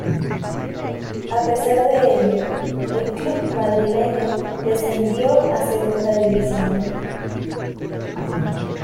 A pesar de ello, el club madrileño descendió a Segunda División.